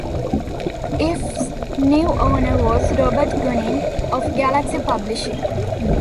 "If"'s new owner was Robert Guinn, of Galaxy Publishing.